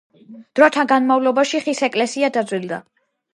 დროთა განმავლობაში ხის ეკლესია დაძველდა.